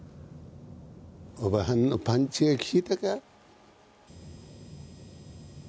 おばはんのパンチが効いたか？